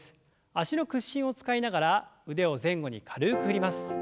脚の屈伸を使いながら腕を前後に軽く振ります。